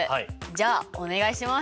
じゃあお願いします。